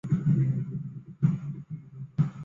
主要研究领域是中国哲学史和文学史。